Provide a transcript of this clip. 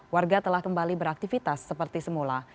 warga telah kembali beraktivitas seperti semula